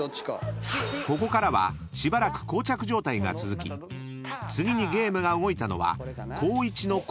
［ここからはしばらく膠着状態が続き次にゲームが動いたのは光一のこの一手］